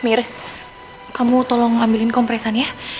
mir kamu tolong ambilin kompresan ya